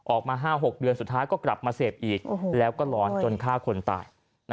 ออกมา๕๖เดือนสุดท้ายก็กลับมาเสพอีกแล้วก็ร้อนจนฆ่าคนตาย